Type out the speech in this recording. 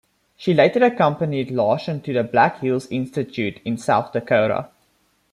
She later accompanied Larson to the Black Hills Institute in South Dakota.